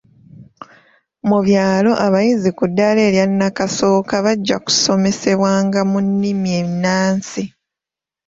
Mu byalo abayizi ku ddaala erya nnakasooka bajja kusomesebwanga mu nnimi ennansi.